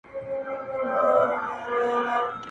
ادب له بې ادبو زده کېږي.